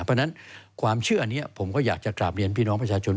เพราะฉะนั้นความเชื่ออันนี้ผมก็อยากจะกราบเรียนพี่น้องประชาชน